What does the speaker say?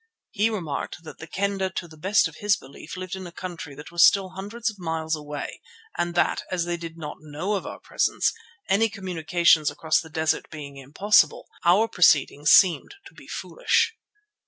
He remarked that the Kendah to the best of his belief lived in a country that was still hundreds of miles away and that, as they did not know of our presence, any communication across the desert being impossible, our proceedings seemed to be foolish.